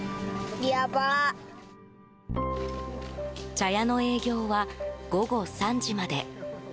茶屋の営業は午後３時まで。